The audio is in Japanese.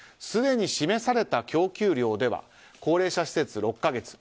すでに示された供給量では高齢者施設６か月。